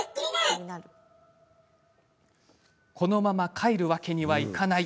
このまま帰るわけにはいかない。